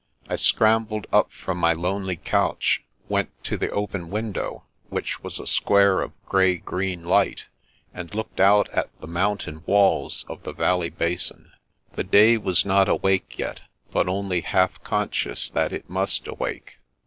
I scrambled up from my lonely couch, went to the open window, which was a square of grey green light, and looked out at the mountain walls of the valley basin. The day was not awake yet, but only half con scious that it must awake.